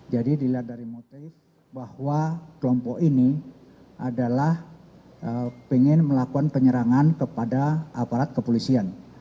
jadi dilihat dari motif bahwa kelompok ini adalah pengen melakukan penyerangan kepada aparat kepolisian